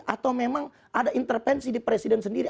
atau memang ada intervensi di presiden sendiri